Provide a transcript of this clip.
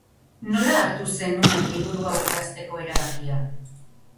Nola hartu zenuen liburu hau idazteko erabakia?